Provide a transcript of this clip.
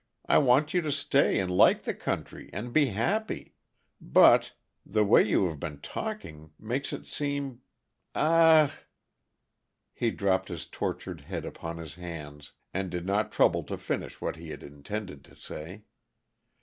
I want you to stay and like the country, and be happy. But the way you have been talking makes it seem a ah!" He dropped his tortured head upon his hands and did not trouble to finish what he had intended to say.